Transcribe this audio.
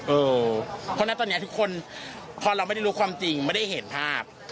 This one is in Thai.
เพราะฉะนั้นตอนนี้ทุกคนพอเราไม่ได้รู้ความจริงไม่ได้เห็นภาพ